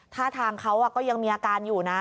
ท่าทางเขาก็ยังมีอาการอยู่นะ